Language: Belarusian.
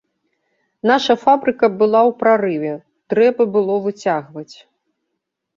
Наша фабрыка была ў прарыве, трэба было выцягваць.